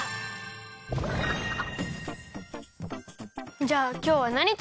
じゃあきょうはなにつくる？